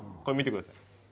これ見てください。